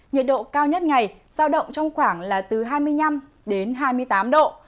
nhiệt độ cao nhất ngày ra động trong khoảng là từ hai mươi năm hai mươi tám độ